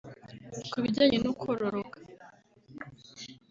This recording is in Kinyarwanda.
Ku bijyanye no kororoka